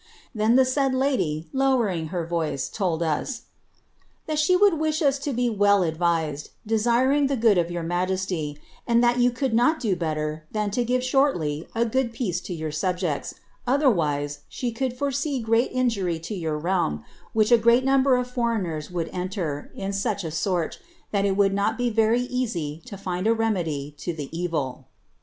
Then the Mid lady« lowering her voice, told us, * that she would wish us to be well ad rised, desiring the good of your majesty ; and that you could not do better than ID give shortly a good peace to your subjects, otherwise she could foresee great iiuury to your realm, which a great number of foreigners would enter, in such a ton that it would not be very easy to find a remedy to the evil.'